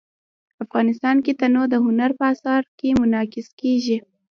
افغانستان کې تنوع د هنر په اثار کې منعکس کېږي.